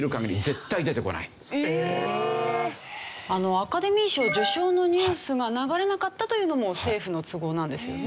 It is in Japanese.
アカデミー賞受賞のニュースが流れなかったというのも政府の都合なんですよね。